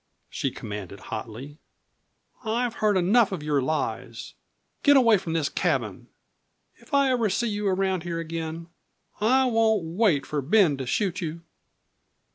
she commanded hotly; "I've heard enough of your lies! Get away from this cabin! If I ever see you around here again I won't wait for Ben to shoot you!"